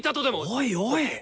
おいおい！